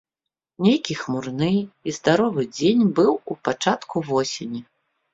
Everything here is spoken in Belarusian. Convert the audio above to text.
Нейкі хмурны і здаровы дзень быў у пачатку восені.